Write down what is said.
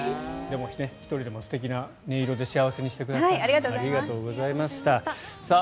１人でも素敵な音色で幸せにしてください。